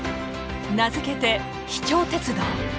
名付けて「秘境鉄道」。